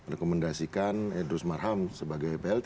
rekomendasikan idrus marham sebagai plt